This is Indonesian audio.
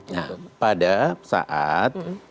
nah pada saat